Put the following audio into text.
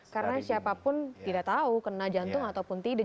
karena siapapun tidak tahu kena jantung ataupun tidak